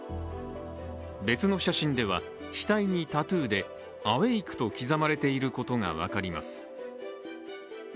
別の写真では、額にタトゥーで「Ａｗａｋｅ」と刻まれていることが分かります。